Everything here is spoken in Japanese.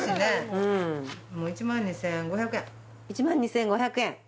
１万２，５００円。